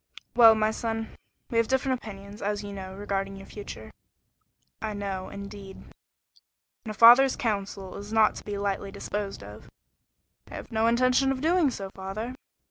"Well, my son, we have different opinions, as you know, regarding your future." "I know, indeed." "And a father's counsel is not to be lightly disposed of." "I have no intention of doing so, father."